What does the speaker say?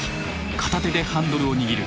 片手でハンドルを握る。